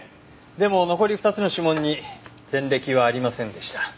でも残り２つの指紋に前歴はありませんでした。